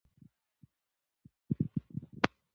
ملالۍ به خپل نوم ژوندی ساتي.